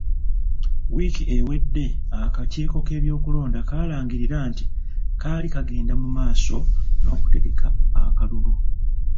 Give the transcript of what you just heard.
Wiiki ewedde akakiiko k'ebyokulonda kaalangirira nti kaali kagenda mu maaso n'okutegaka akalululu.